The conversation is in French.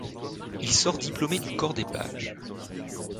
Il sort diplômé du Corps des Pages.